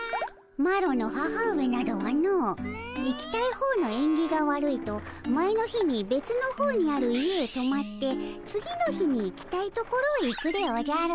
マロの母上などはの行きたい方のえんぎが悪いと前の日にべつの方にある家へとまって次の日に行きたいところへ行くでおじゃる。